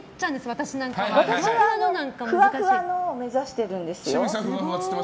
私はふわふわのを目指してるんです。